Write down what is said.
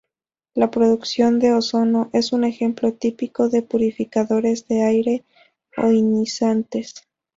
La producción de ozono es un ejemplo típico de purificadores de aire ionizantes.